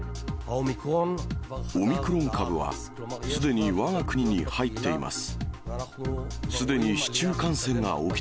オミクロン株は、すでにわが国に入っています。